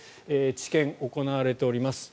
治験が行われています。